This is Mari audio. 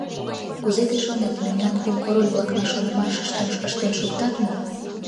— Кузе тый шонет, мемнан кум король-влакна шонымыштым ыштен шуктат мо?